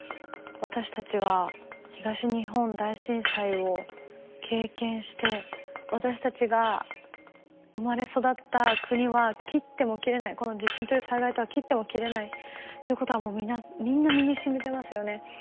私たちは東日本大震災を経験して私たちが生まれ育った国は切っても切れないこの地震という災害とは切っても切れないということはもうみんな身にしみてますよね。